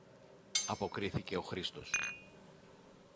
αποκρίθηκε ο Χρήστος.